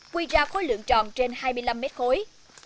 quy ra khối lượng tròn trên hai mươi năm mét khối